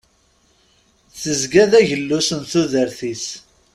Tezga d agellus n tudert-is.